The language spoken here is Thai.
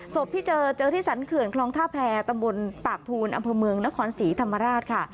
ศพที่เจอเจอที่สรรเขื่อนคลองท่าแพรตำบลปากภูนอำเภอเมืองนครศรีธรรมราชค่ะ